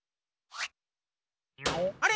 あれ？